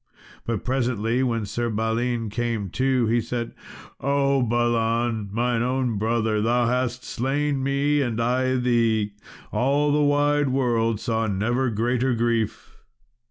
But presently, when Sir Balin came to, he said, "Oh! Balan, mine own brother, thou hast slain me, and I thee! All the wide world saw never greater grief!"